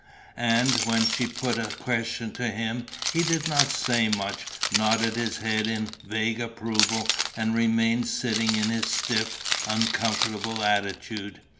And, when she put a question to him, he did not say much, nodded his head in vague approval and remained sitting in his stiff, uncomfortable attitude.